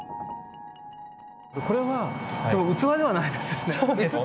これは器ではないですよね？